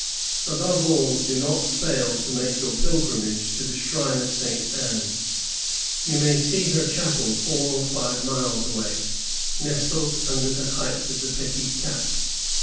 Above all, do not fail to make your pilgrimage to the shrine of St. Anne. "JTou may see her chapel four or five miles away, nestled under the heights of the Petit Cap.